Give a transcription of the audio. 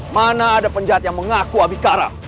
mana ada penjahat yang mengaku abikara